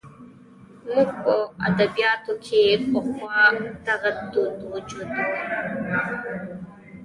زموږ په ادبیاتو کې پخوا دغه دود موجود و.